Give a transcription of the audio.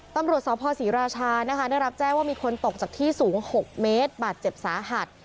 ตำรวจสพศรีราชานะคะได้รับแจ้งว่ามีคนตกจากที่สูง๖เมตรบาดเจ็บสาหัส